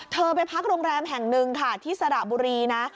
ไปพักโรงแรมแห่งหนึ่งค่ะที่สระบุรีนะ